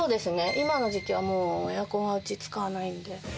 今の時期はもうエアコンはうち、使わないんで。